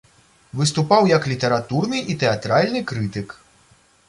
Выступаў як літаратурны і тэатральны крытык.